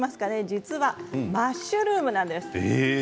実はマッシュルームなんです。